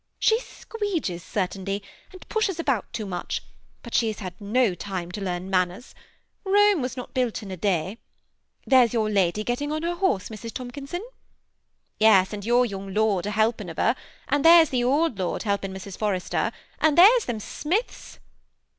"She squeedges, certainly, and pushes about too much ; but she has had no time to learn manners. Rome was not built in a day. There 's your lady get ting on her horse, Mrs. Tomkinson." " Yes, and your young lord a helping of her ; and 124 THE SEMI ATTACHED COUPLE. there 's the old lord helping Miss Forrester ; and there *s them Smiths